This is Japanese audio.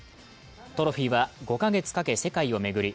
トロフィーは５か月かけ世界を巡り